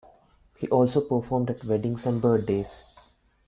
He also performed at weddings and birthdays.